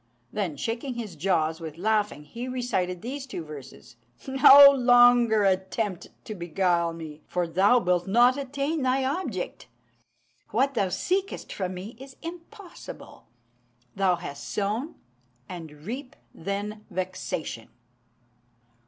Then, shaking his jaws with laughing, he recited these two verses "No longer attempt to beguile me; for thou wilt not attain thy object. What thou seekest from me is impossible. Thou hast sown, and reap, then, vexation."